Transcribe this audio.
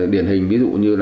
điển hình ví dụ như